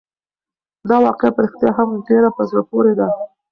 دا واقعه په رښتیا هم ډېره په زړه پورې ده.